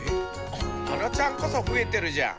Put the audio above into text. あのちゃんこそ増えてるじゃん。